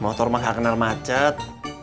motor mah gak kenal macet